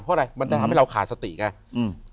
เพราะอะไรมันจะทำให้เราขาดสติไงอืม